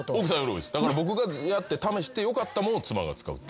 だから僕がやって試してよかったもんを妻が使う。